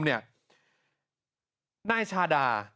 ท่านเนตน้าชาดา